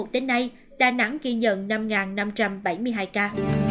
đến nay đà nẵng ghi nhận năm năm trăm bảy mươi hai ca